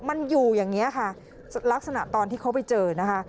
มันอยู่อย่างนี้ค่ะลักษณะตอนที่เขาไปเจอนะคะ